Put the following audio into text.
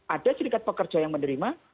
ada serikat pekerja yang menerima